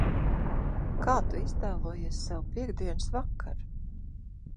Kā Tu iztēlojies savu piektdienas vakaru?